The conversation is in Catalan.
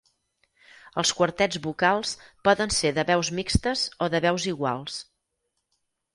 Els quartets vocals poden ser de veus mixtes o de veus iguals.